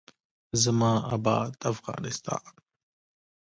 زما اباد افغانستان.